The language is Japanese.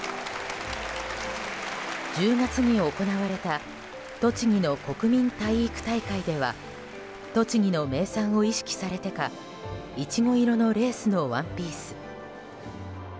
１０月に行われた栃木の国民体育大会では栃木の名産を意識されてかイチゴ色のレースのワンピース。